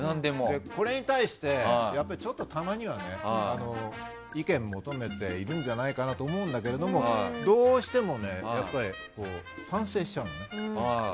これに対してやっぱりたまには、意見求めているんじゃないかなって思うんだけれどもどうしても、やっぱり賛成しちゃうのよ。